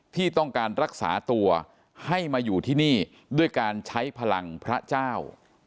ที่ต้องการรักษาตัวให้มาอยู่ที่นี่ด้วยการใช้พลังพระเจ้า